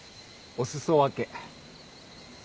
お裾分け？